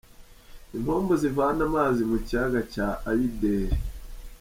Impombo zivana amazi mu kiyaga cya Ayideri.